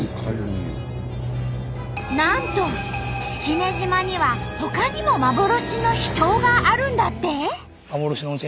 なんと式根島にはほかにも幻の秘湯があるんだって！？